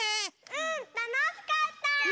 うんたのしかった！